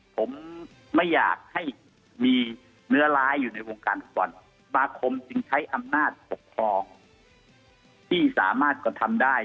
ผมไม่อยากให้มีเนื้อร้ายอยู่ในวงการฟุตบอลสมาคมจึงใช้อำนาจปกครองที่สามารถกระทำได้